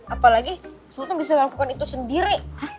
apalagi sultan bisa lakukan itu sendiri